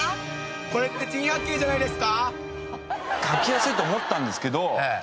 これって珍百景じゃないですか？